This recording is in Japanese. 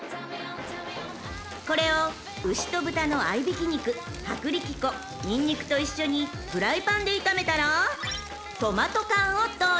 ［これを牛と豚の合いびき肉薄力粉ニンニクと一緒にフライパンで炒めたら］